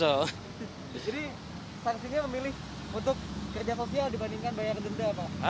jadi saksinya memilih untuk kerja sosial dibandingkan bayar denda apa